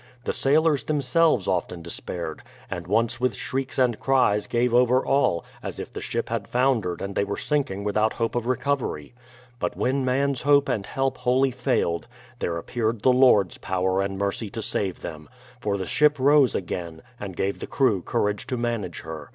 The sailors themselves often despaired, and once with shrieks and cries gave over all, as if the ship had foundered and they were sinking without hope of recovery. But when man's hope and help wholly failed, there appeared the Lord's power and mercy to save them ; for the ship rose again, and gave the crew courage to manage her.